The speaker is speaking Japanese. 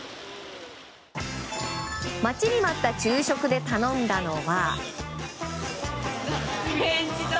待ちに待った昼食で頼んだのは。